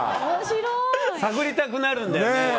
探りたくなるんだよね。